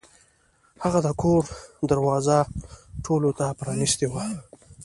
هغه د کور دروازه ټولو ته پرانیستې وه.